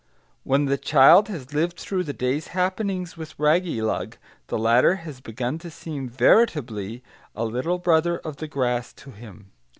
When the child has lived through the day's happenings with Raggylug, the latter has begun to seem veritably a little brother of the grass to him.